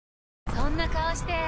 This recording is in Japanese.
そんな顔して！